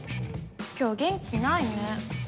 今日元気ないね。